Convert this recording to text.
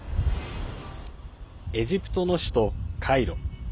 エジプトの首都カイロ。